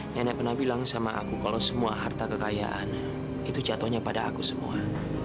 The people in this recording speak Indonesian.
nenek pernah bilang sama aku kalau semua harta kekayaan itu jatuhnya pada aku semua